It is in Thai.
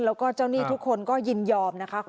แล้วก็เจ้าหนี้ทุกคนก็ยินยอมนะคะ